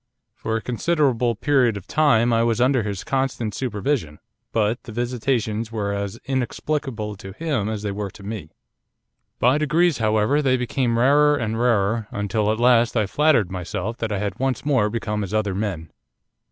For a considerable period of time I was under his constant supervision, but the visitations were as inexplicable to him as they were to me. 'By degrees, however, they became rarer and rarer, until at last I flattered myself that I had once more become as other men.